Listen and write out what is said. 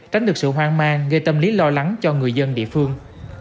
tránh được sự hoang mang gây tâm lý lo lắng cho người dân địa phương